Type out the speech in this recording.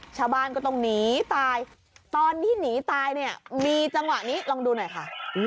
ชาวบ้านก็ต้องหนีตายตอนที่หนีตายเนี่ยมีจังหวะนี้ลองดูหน่อยค่ะ